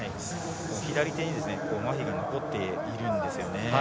左手にまひが残っているんですよね。